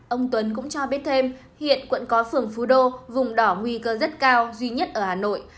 ông tuấn cũng cho biết thêm hiện quận có phường phú đô vùng đỏ nguy cơ rất cao duy nhất ở hà nội